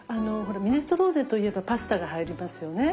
ミネストローネといえばパスタが入りますよね。